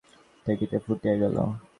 হৃদয়ের পাষাণ-আবরণ দেখিতে দেখিতে ফাটিয়া গেল।